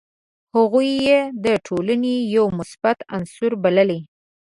هغوی یې د ټولني یو مثبت عنصر بللي.